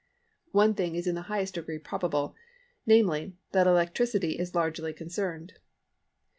One thing is in the highest degree probable, namely, that electricity is largely concerned.